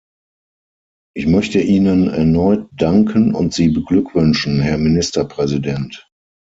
Ich möchte Ihnen erneut danken und Sie beglückwünschen, Herr Ministerpräsident.